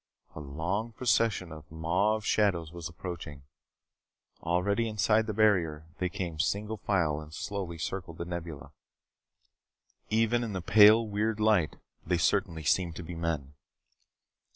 A long procession of mauve shadows was approaching. Already inside the barrier, they came single file and slowly circled The Nebula. Even in the pale weird light, they certainly seemed to be men.